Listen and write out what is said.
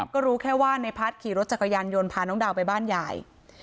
ก็รู้แค่ว่าในพัฒน์ขี่รถจักรยานยนต์พาน้องดาวไปบ้านยาย